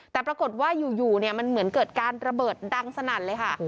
แต่ปรากฏว่าอยู่มันเหมือนเกิดการระเบิดดังสนั่นเลยค่ะ